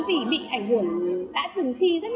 vì bị ảnh hưởng đã từng chi